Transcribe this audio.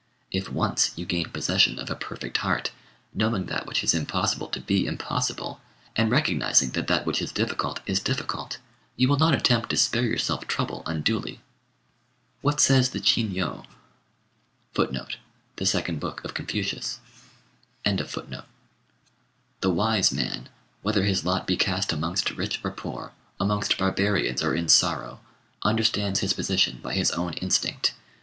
If once you gain possession of a perfect heart, knowing that which is impossible to be impossible, and recognizing that that which is difficult is difficult, you will not attempt to spare yourself trouble unduly. What says the Chin Yo? The wise man, whether his lot be cast amongst rich or poor, amongst barbarians or in sorrow, understands his position by his own instinct.